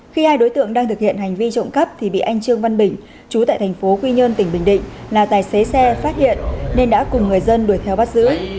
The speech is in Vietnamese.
khi hai đối tượng đang thực hiện hành vi trộm cắp thì bị anh trương văn bình chú tại thành phố quy nhơn tỉnh bình định là tài xế xe phát hiện nên đã cùng người dân đuổi theo bắt giữ